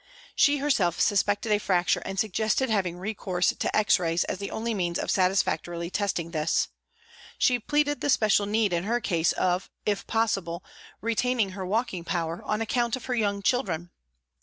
She herself suspected a fracture and sug gested having recourse to X rays as the only means of satisfactorily testing this. She pleaded the special need in her case of, if possible, retaining her walking power on account of her young children.